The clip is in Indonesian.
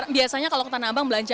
biasanya kalau ke tanah abang belanja